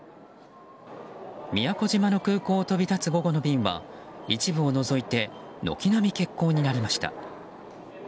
宮古島の空港を飛び立つ午後の便は一部を除いて軒並み欠航になりました。